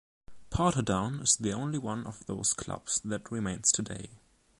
Portadown is the only one of those clubs that remains today.